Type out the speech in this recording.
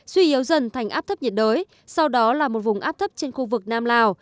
suy yếu dần thành áp thấp nhiệt đới sau đó là một vùng áp thấp trên khu vực nam lào